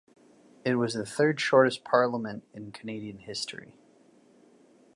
It was the third shortest parliament in Canadian history.